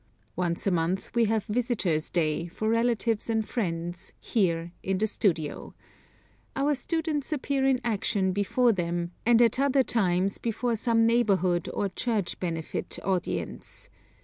Once a month we have Visitors' Day, for relatives and friends, here in the studio. Our students appear in action before them, and at other times before some neighborhood or church benefit audience.